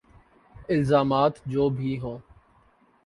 الزامات جو بھی ہوں۔